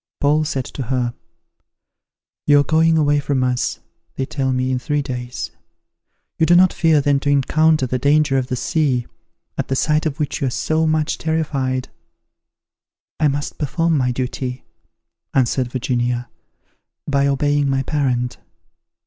Paul said to her, "You are going away from us, they tell me, in three days. You do not fear then to encounter the danger of the sea, at the sight of which you are so much terrified?" "I must perform my duty," answered Virginia, "by obeying my parent."